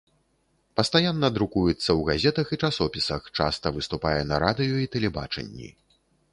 Пастаянна друкуецца ў газетах і часопісах, часта выступае на радыё і тэлебачанні.